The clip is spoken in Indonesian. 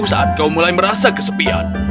saat kau mulai merasa kesepian